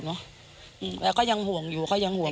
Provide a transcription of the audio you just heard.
แล้วก็ยังห่วงอยู่